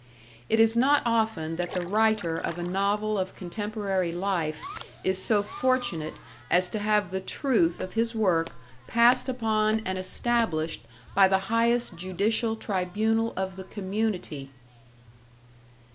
It is not often that the writer of a novel of contemporary life is so fortunate as to have the truth of his work passed upon and established by the highest judicial tribunal of the community!